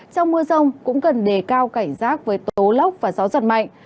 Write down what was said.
trong mưa rông cũng cần đề cao cảnh rác với tố lóc và gió giật mạnh